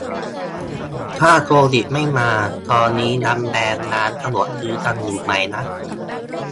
ถ้าโควิดไม่มา ตอนนี้ยังแบนร้านสะดวกซื้อกันอยู่ไหมนะ